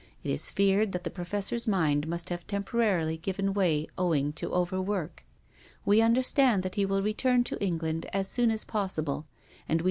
It is feared that the Professor's mind must have temporarily given way owing to overwork. We understand that he will return to England as soon as possible, and we PROFESSOR GUILDEA.